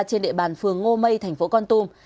trên địa bàn phường ngô mây thành phố con tum